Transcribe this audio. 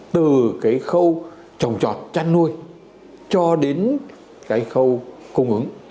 từ cái khâu trồng trọt chăn nuôi cho đến cái khâu cung ứng